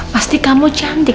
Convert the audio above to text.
pasti kamu cantik